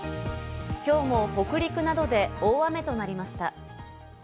きょうも北陸などで大雨となりました。